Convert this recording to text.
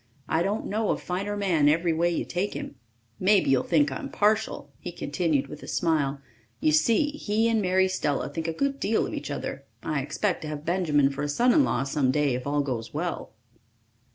I don't know a finer man every way you take him. Maybe you'll think I'm partial," he continued with a smile. "You see, he and Mary Stella think a good deal of each other. I expect to have Benjamin for a son in law some day if all goes well."